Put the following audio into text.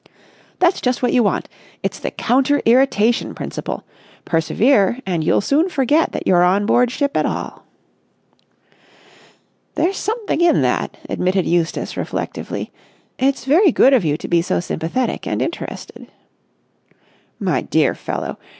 "That's just what you want. It's the counter irritation principle. Persevere, and you'll soon forget that you're on board ship at all." "There's something in that," admitted Eustace reflectively. "It's very good of you to be so sympathetic and interested." "My dear fellow